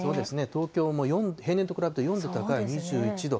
東京も平年と比べて４度高い２１度。